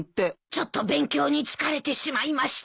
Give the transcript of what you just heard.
ちょっと勉強に疲れてしまいまして。